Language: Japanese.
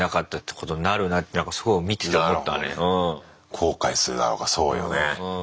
後悔するだろうからそうよね。